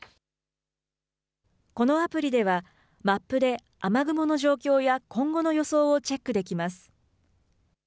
このアプリではマップで雨雲の状況や今後の予想をチェックできます。